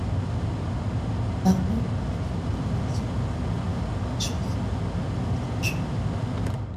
Barbeau avait une prédilection particulière pour les chansons, contes et légendes.